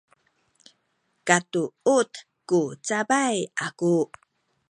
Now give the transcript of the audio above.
katuud ku cabay aku